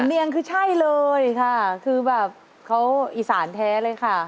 เนียงคือใช่เลยค่ะคือแบบเขาอีสานแท้เลยค่ะ